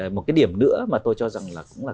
một cái điểm nữa mà tôi cho rằng là cũng là